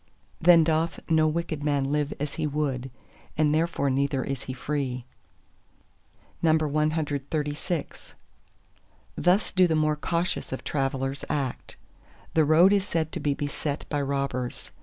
Then doth no wicked man live as he would, and therefore neither is he free. CXXXVII Thus do the more cautious of travellers act. The road is said to be beset by robbers.